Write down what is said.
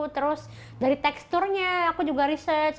terus dari teksturnya aku juga research